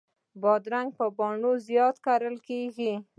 بادرنګ په بڼو کې زیات کرل کېږي.